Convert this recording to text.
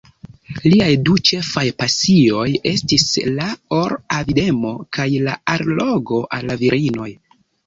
Liaj du ĉefaj pasioj estis la or-avidemo kaj la allogo al la virinoj.